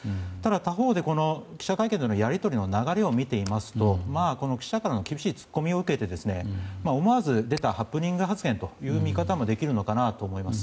他方では記者会見の流れを見ていますと記者からの厳しい突っ込みを受けて思わず出たハプニング発言という見方もできるのかなと思います。